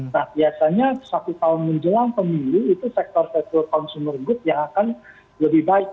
nah biasanya satu tahun menjelang pemilu itu sektor sektor consumer good yang akan lebih baik